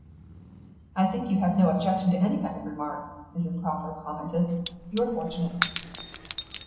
"I think you have no objection to any kind of remarks," Mrs. Crawford commented. "You are fortunate."